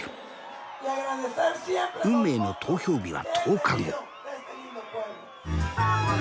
運命の投票日は１０日後。